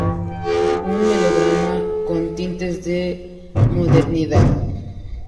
Un melodrama con tintes de modernidad.